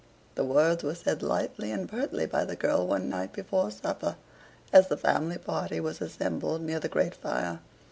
The words were said lightly and pertly by the girl one night before supper, as the family party were assembled near the great fire.